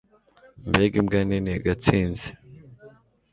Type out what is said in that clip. mbega imbwa nini! gatsinzi